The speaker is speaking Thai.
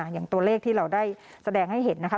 อย่างตัวเลขที่เราได้แสดงให้เห็นนะคะ